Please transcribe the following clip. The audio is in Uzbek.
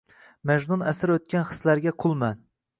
Majnun asir o‘tgan hislarga qulman.